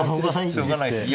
しょうがないですね。